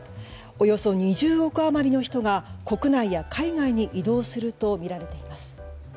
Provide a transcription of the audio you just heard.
およそ２０億余りの人が国内や海外に移動するとみられています。